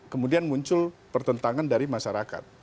kemudian muncul pertentangan dari masyarakat